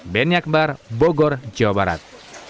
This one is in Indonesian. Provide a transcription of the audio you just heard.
ben yakbar bogor jawa barat